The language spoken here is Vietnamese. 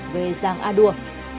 về giàng a đua